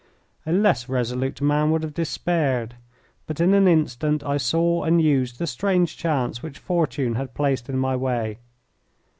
A less resolute man would have despaired. But in an instant I saw and used the strange chance which Fortune had placed in my way.